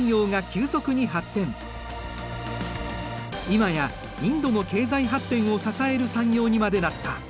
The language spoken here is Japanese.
今やインドの経済発展を支える産業にまでなった。